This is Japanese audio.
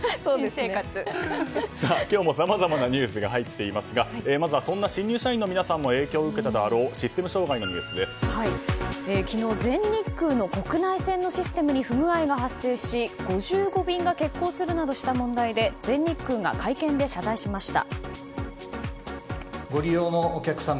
今日もさまざまなニュースが入っていますがまずは、そんな新入社員の皆さんも影響を受けたであろう昨日全日空の国内線のシステムに不具合が発生し、５５便が欠航するなどした問題で全日空が会見で謝罪しました。